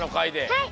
はい！